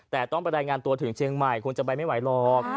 แต่ต้องไปรายงานตัวถึงเชียงใหม่คงจะไปไม่ไหวหรอก